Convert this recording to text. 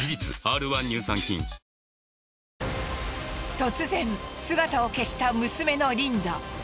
突然姿を消した娘のリンダ。